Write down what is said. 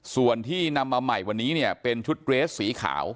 ส่วนที่นำมาใหม่วันนี้เนี่ยเป็นชุดเกรสสีขาว